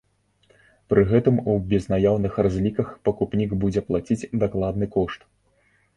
Пры гэтым у безнаяўных разліках пакупнік будзе плаціць дакладны кошт.